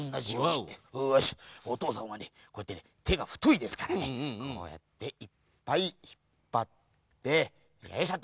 おとうさんはねてがふといですからねこうやっていっぱいひっぱってよいしょと。